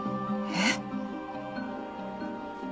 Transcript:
えっ！？